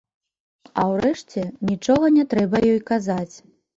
А ўрэшце, нічога не трэба ёй казаць.